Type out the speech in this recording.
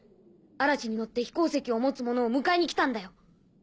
嵐に乗って飛行石を持つ者を迎えに来たんだよ。